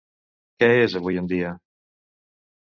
Què és avui en dia?